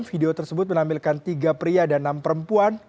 video tersebut menampilkan tiga pria dan enam perempuan